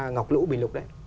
ngọc lũ bình lục